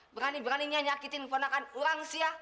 berani beraninya nyakitin keponakan orang sih ya